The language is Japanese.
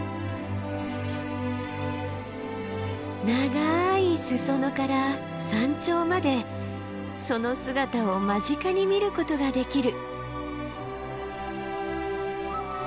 長い裾野から山頂までその姿を間近に見ることができる。